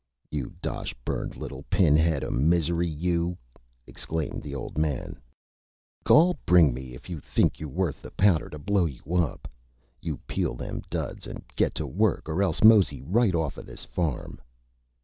"You dosh burned little Pin Head o' Misery, you!" exclaimed the Old Man. "Goll bing me if I think you're wuth the Powder to blow you up. You peel them Duds an' git to Work or else mosey right off o' this Farm."